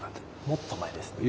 もっと前ですね。